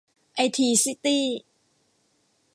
ไอที ซิตี้